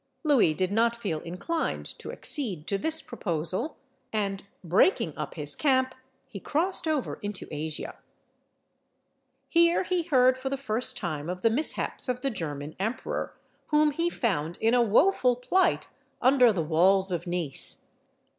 Louis did not feel inclined to accede to this proposal, and, breaking up his camp, he crossed over into Asia. Here he heard, for the first time, of the mishaps of the German emperor, whom he found in a woful plight under the walls of Nice.